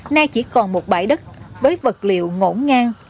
nay chỉ còn một bãi đất với vật liệu ngỗ ngang